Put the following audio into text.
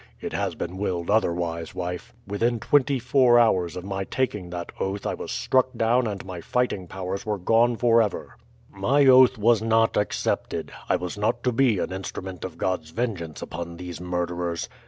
It has been willed otherwise, wife. Within twenty four hours of my taking that oath I was struck down and my fighting powers were gone forever. "My oath was not accepted. I was not to be an instrument of God's vengeance upon these murderers.